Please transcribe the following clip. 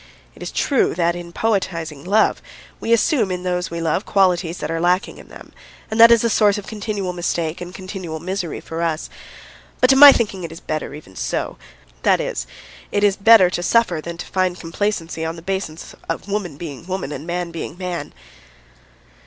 It is true that, in poetizing love, we assume in those we love qualities that are lacking in them, and that is a source of continual mistakes and continual miseries for us. But to my thinking it is better, even so; that is, it is better to suffer than to find complacency on the basis of woman being woman and man being man.